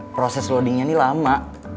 proses loadingnya ini lama